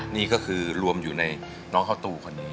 นี่ก็คือรวมอยู่ในน้องข้าวตูคนนี้